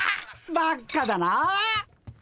ばっかだなあ。